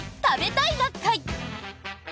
食べたい！な会」。